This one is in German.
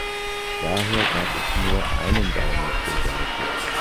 Daher gab es nur einen Daumen zur Seite.